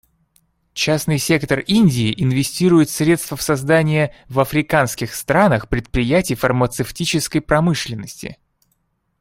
Частный сектор Индии инвестирует средства в создание в африканских странах предприятий фармацевтической промышленности.